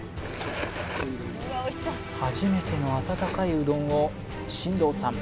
初めての温かいうどんを進藤さん